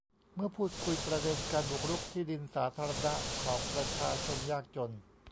เมื่อพูดคุยประเด็นการบุกรุกที่ดินสาธารณะของประชาชนยากจน